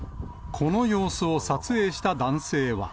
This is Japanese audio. この様子を撮影した男性は。